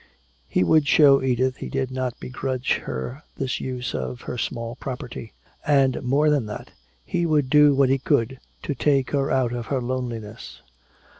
He would show Edith he did not begrudge her this use of her small property. And more than that, he would do what he could to take her out of her loneliness.